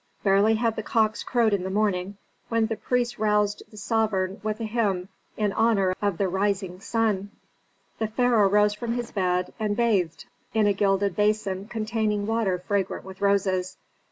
Barely had the cocks crowed in the morning when the priests roused the sovereign with a hymn in honor of the rising sun. The pharaoh rose from his bed and bathed in a gilded basin containing water fragrant with roses.